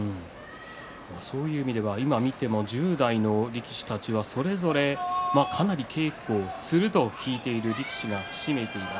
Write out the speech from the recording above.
そういう意味では１０代の力士たちはそれぞれかなり稽古をすると聞いている力士がひしめいています。